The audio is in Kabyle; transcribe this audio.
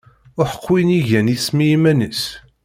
Uḥeqq win igan isem i yiman-is!